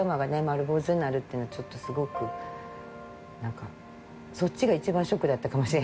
丸坊主になるっていうのはちょっとすごくそっちが一番ショックだったかもしれないです。